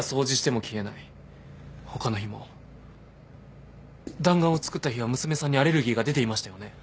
他の日も弾丸を作った日は娘さんにアレルギーが出ていましたよね？